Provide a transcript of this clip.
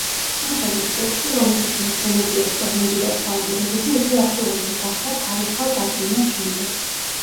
სიმღერის ტექსტი, რომელშიც ნახსენებია შტორმები და წყალდიდობები, უფრო აქტუალური გახდა ქარიშხალ კატრინას შემდეგ.